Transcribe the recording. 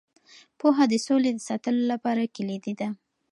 پوهه د سولې د ساتلو لپاره کلیدي ده.